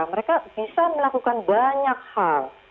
mereka bisa melakukan banyak hal